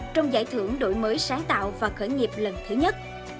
trong giải thưởng đổi mới sáng tạo và khởi nghiệp lần thứ nhất